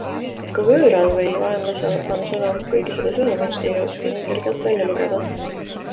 Ka võõral või vaenlasel on sõnum, kuigi seda sõnumit ei oska nii kergelt välja lugeda.